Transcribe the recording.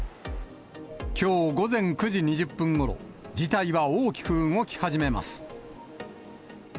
きょう午前９時２０分ごろ、事態は大きく動き始めます。